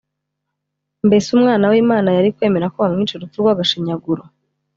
mbese umwana w’imana yari kwemera ko bamwica urupfu rw’agashinyaguro?